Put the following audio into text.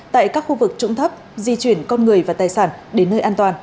tại các khu vực trụng thấp di chuyển con người và tài sản đến nơi áp